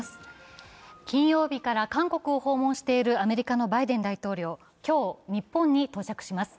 金曜日から韓国を訪問しているアメリカのバイデン大統領、今日、日本に到着します。